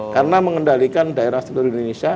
karena mengendalikan daerah seluruh indonesia